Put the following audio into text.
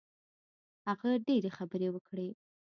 هغه ډېرې خبرې وکړې.